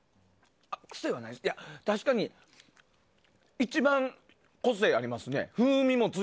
確かに、一番個性ありますね。